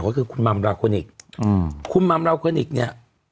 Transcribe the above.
ก็คือคุณมัมราโคนิคคุณมัมราโคนิคเนี่ย